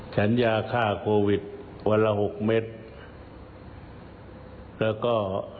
สัญญาฆ่าโควิดวันละหกเม็ดแล้วก็